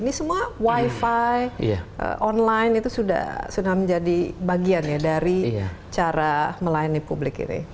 ini semua wifi online itu sudah menjadi bagian ya dari cara melayani publik ini